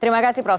terima kasih prof